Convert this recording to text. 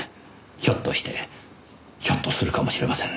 ひょっとしてひょっとするかもしれませんね。